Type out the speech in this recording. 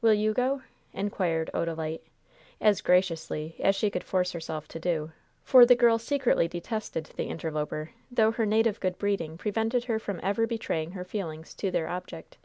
Will you go?" inquired Odalite, as graciously as she could force herself to do; for the girl secretly detested the interloper, though her native good breeding prevented her from ever betraying her feelings to their object.